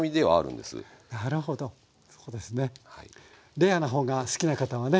レアな方が好きな方はね。